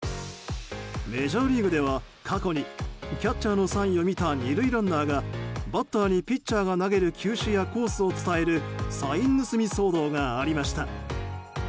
メジャーリーグでは過去にキャッチャーのサインを見た２塁ランナーがバッターにピッチャーが投げる球種やコースを伝えるサイン盗み騒動がありました。